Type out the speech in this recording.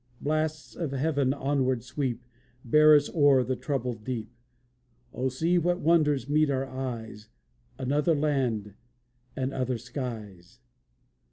Blasts of heaven, onward sweep! Bear us o'er the troubled deep! O see what wonders meet our eyes! Another land, and other skies!